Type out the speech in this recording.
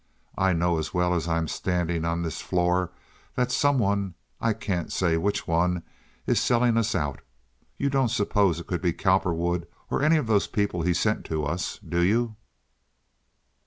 I know as well as I'm standing on this floor that some one, I can't say which one, is selling us out. You don't suppose it could be Cowperwood or any of those people he sent to us, do you?"